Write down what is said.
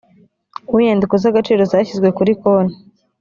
w inyandiko z agaciro zashyizwe kuri konti